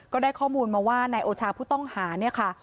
ก็ได้ข้อมูลมาว่านายโอชาผู้ต้องหาเนี่ยค่ะ